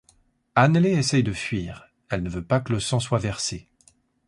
Annele essaye de fuir, elle ne veut pas que le sang soit versé.